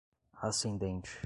ascendente